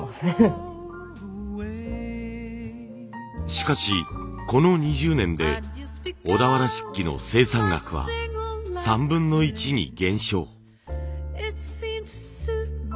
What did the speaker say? しかしこの２０年で小田原漆器の生産額は３分の１に減少。